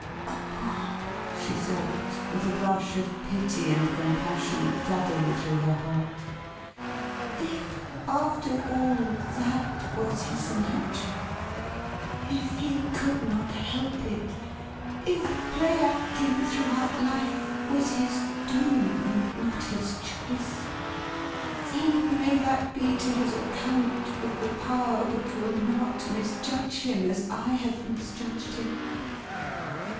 ' Oh,' she thought, with a rush of pity and compassion flooding through her heart, 'if, after all, that was his nature, if he could not help it, if play acting throughout THE RING RETURNED 815 life was his doom and not his choice, then may that be to his account with the Power which will not misjudge him as I have misjudged him!